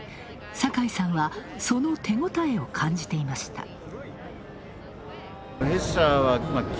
酒井さんは、その手応えを感じていました。